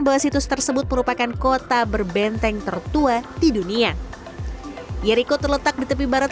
bahwa situs tersebut merupakan kota berbenteng tertua di dunia jeriko terletak di tepi barat